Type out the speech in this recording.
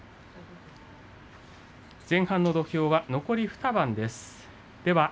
前半の土俵は残り２番です。